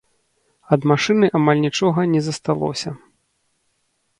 Ад машыны амаль нічога не засталося.